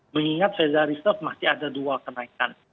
mengingat fedarisep masih ada dua kenaikan